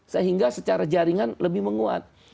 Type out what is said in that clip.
sehingga secara jaringan lebih menguat